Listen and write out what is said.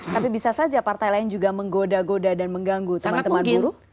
tapi bisa saja partai lain juga menggoda goda dan mengganggu teman teman buruh